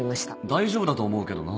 大丈夫だと思うけどな。